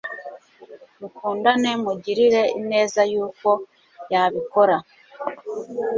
mukundane mugirire ineza yuko yabikora